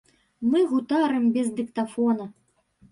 Мы гутарым без дыктафона.